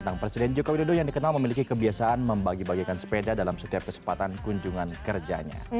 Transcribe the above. tentang presiden joko widodo yang dikenal memiliki kebiasaan membagi bagikan sepeda dalam setiap kesempatan kunjungan kerjanya